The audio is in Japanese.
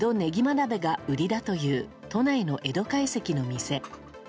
鍋が売りだという都内の江戸懐石の店。